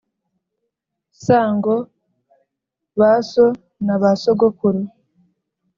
sango, ba so na ba sogokuru,